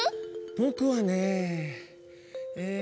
ぼくはねえっと。